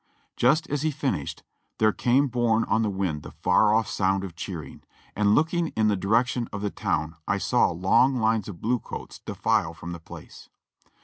Just as he finished, there came borne on the wind the far off sound of cheering, and looking in the direction of the town I saw long lines of blue coats defile from the place.